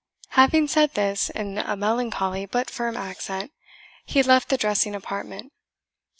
Having said this in a melancholy but firm accent, he left the dressing apartment.